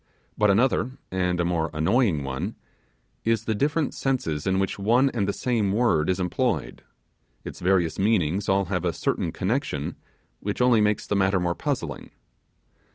But another, and a more annoying one, is the different senses in which one and the same word is employed; its various meanings all have a certain connection, which only makes the matter more puzzling.